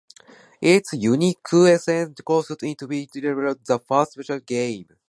Its uniqueness caused it to be labelled "the first virtual reality game".